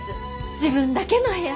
自分だけの部屋。